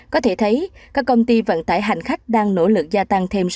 có thể thấy các công ty vận tải hành khách đang nỗ lực gia tăng thêm